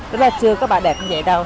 rất là chưa có bãi đẹp như vậy đâu